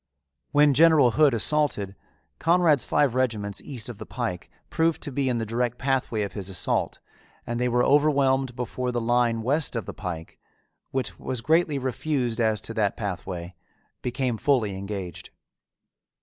When General Hood assaulted, Conrad's five regiments east of the pike proved to be in the direct pathway of his assault and they were overwhelmed before the line west of the pike, which was greatly refused as to that pathway, became fully engaged.